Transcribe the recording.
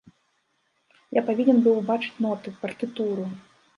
Я павінен быў убачыць ноты, партытуру!